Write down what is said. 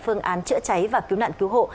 phương án chữa cháy và cứu nạn cứu hộ